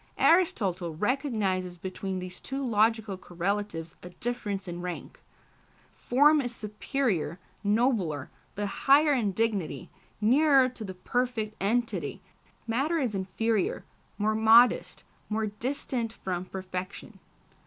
Aristotle recognises between these two logical correlatives a difference in rank. Form is superior, nobler, the higher in dignity, nearer to the perfect entity; matter is inferior, more modest, more distant from perfection.